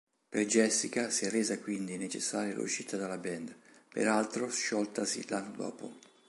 Per Jessica si è resa quindi necessaria l'uscita dalla band, peraltro scioltasi l'anno dopo.